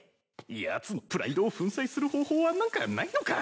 やつのプライドを粉砕する方法は何かないのか？